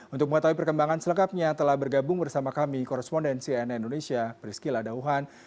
untuk mengetahui perkembangan selengkapnya telah bergabung bersama kami korrespondensi ana indonesia prisky ladauhan